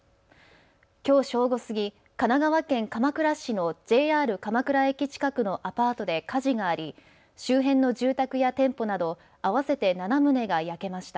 きょう正午過ぎ、神奈川県鎌倉市のＪＲ鎌倉駅近くのアパートで火事があり周辺の住宅や店舗など合わせて７棟が焼けました。